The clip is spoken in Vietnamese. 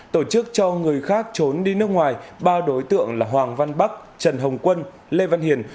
tổ chức cho người khác trốn đi nước ngoài ba đối tượng là hoàng văn bắc trần hồng quân lê văn hiền